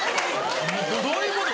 どういうこと？